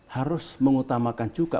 harus mengutamakan juga